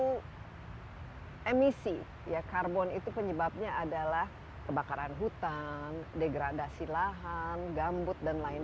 hai emisi ya karbon itu penyebabnya adalah kebakaran hutan degradasi lahan gambut dan lain